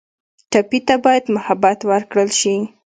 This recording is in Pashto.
ټپي ته باید محبت ورکړل شي.